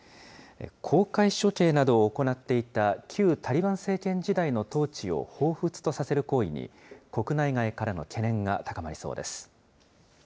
公開処刑などを行っていた旧タリバン政権時代の統治をほうふつとさせる行為に、国内外からの懸念が高まりそうです。